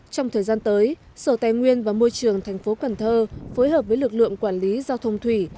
trong thời gian tới sở tài nguyên và môi trường tp cn phối hợp với lực lượng quản lý giao thông thủy